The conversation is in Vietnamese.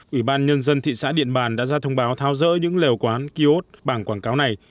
ủy ban nhân dân thị xã điện bàn đã ra thông báo tháo rỡ những liều quán kỳ ốt bảng quảng cáo này